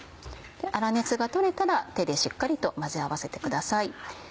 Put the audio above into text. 粗熱が取れたら手でしっかりと混ぜ合わせてください。